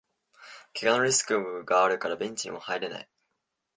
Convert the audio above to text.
けがのリスクがあるからベンチにも入れない